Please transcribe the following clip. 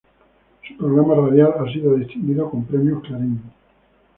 Su programa radial ha sido distinguido con Premios Clarín.